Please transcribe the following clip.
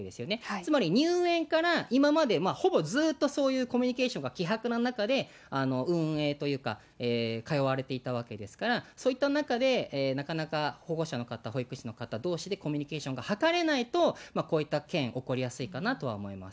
つまり入園から今までほぼずっとそういうコミュニケーションが希薄な中で、運営というか、通われていたわけですから、そういった中で、なかなか保護者の方、保育士の方どうしてコミュニケーションが図れないと、こういった件、起こりやすいかなとは思います。